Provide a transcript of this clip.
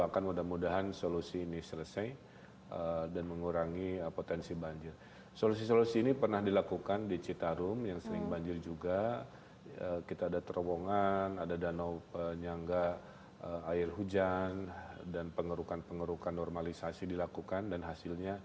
kami langsung mengonfirmasi hal ini dengan gubernur jawa barat ridwan kamil